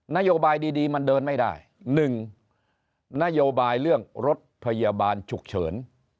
นโยบายดีมันเดินไม่ได้๑นโยบายเรื่องรถพยาบาลฉุกเฉิน